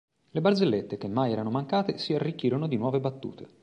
Le barzellette, che mai erano mancate, si arricchirono di nuove battute.